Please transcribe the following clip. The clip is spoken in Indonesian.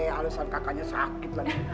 alasan kakaknya sakit lah